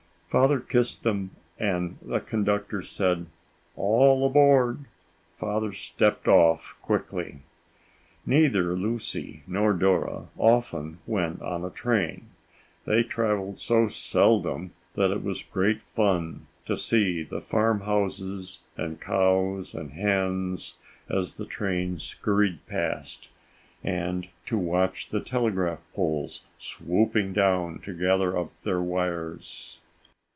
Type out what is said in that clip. Father kissed them and the conductor said, "All aboard!" Father stepped off quickly. Neither Lucy nor Dora often went on a train. They traveled so seldom that it was great fun to see the farmhouses and cows and hens as the train scurried past, and to watch the telegraph poles swooping down to gather up their wires.